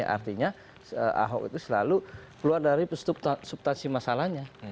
artinya ahok itu selalu keluar dari subtansi masalahnya